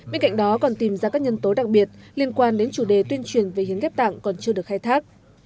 bên cạnh đó còn tìm ra các nhân tố đặc biệt liên quan đến chủ đề tuyên truyền về hiến ghép tặng còn chưa được khai thác